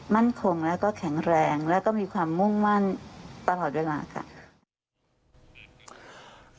มั่นคงแล้วก็แข็งแรงแล้วก็มีความมุ่งมั่นตลอดเวลาค่ะ